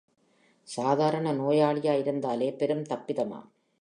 சாதாரண நோயாளியாயிருந்தாலே பெரும் தப்பிதமாம்.